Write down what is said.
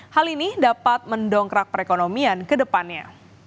hal ini dapat mendongkrak perekonomian ke depannya